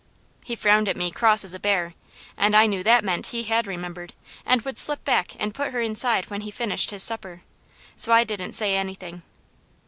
He frowned at me cross as a bear, and I knew that meant he had remembered, and would slip back and put her inside when he finished his supper, so I didn't say anything.